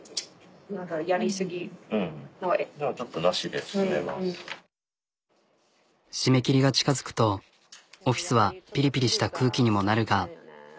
でも締め切りが近づくとオフィスはピリピリした空気にもなるが。